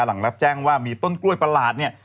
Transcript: หลังรับแจ้งว่ามีต้นกล้วยประหลาดเนี่ย